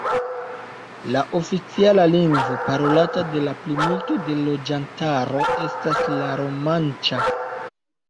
La oficiala lingvo parolata de la plimulto de loĝantaro estas la romanĉa.